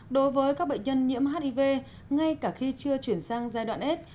đối với các bệnh nhân nhiễm hiv ngay cả khi chưa chuyển sang giai đoạn s